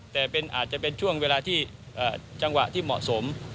แต่อาจจะเป็นช่วงเวลาที่จังหวะที่เหมาะสม